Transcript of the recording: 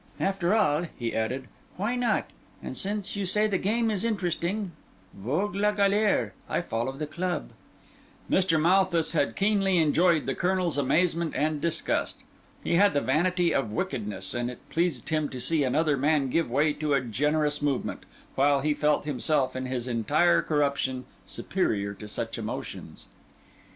"After all," he added, "why not? And since you say the game is interesting, vogue la galère—I follow the club!" Mr. Malthus had keenly enjoyed the Colonel's amazement and disgust. He had the vanity of wickedness; and it pleased him to see another man give way to a generous movement, while he felt himself, in his entire corruption, superior to such emotions.